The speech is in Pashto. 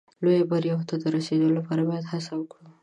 لویو بریاوو ته د رسېدو لپاره باید هڅه وکړو.